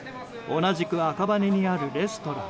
同じく赤羽にあるレストラン。